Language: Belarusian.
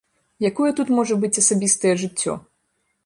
Якое тут можа быць асабістае жыццё?